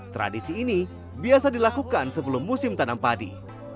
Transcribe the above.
tradisi ini biasa dilakukan sebelum musim tanam padi